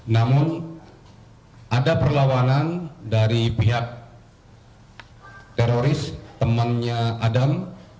namun ada perlawanan dari pihak teroris temannya adam